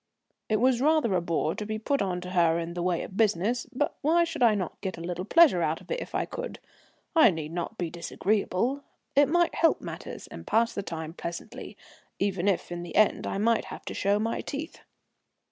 It was rather a bore to be put on to her in the way of business; but why should I not get a little pleasure out of it if I could? I need not be disagreeable; it might help matters and pass the time pleasantly, even if in the end I might have to show my teeth.